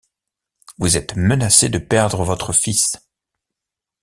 Vous êtes menacé de perdre votre fils.